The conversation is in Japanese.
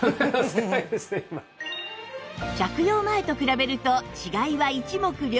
着用前と比べると違いは一目瞭然